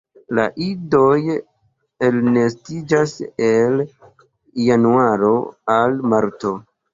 La idoj elnestiĝas el januaro al marto.